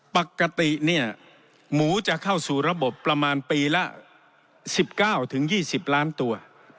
ปกติเนี่ยหมูจะเข้าสู่ระบบประมาณปีละ๑๙๒๐ล้านตัว